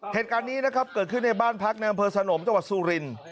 เหตุการณ์นี้นะครับเกิดขึ้นในบ้านพักในอำเภอสนมจังหวัดสุรินทร์